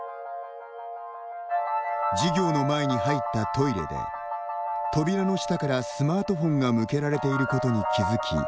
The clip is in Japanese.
授業の前に入ったトイレで扉の下からスマートフォンが向けられていることに気付き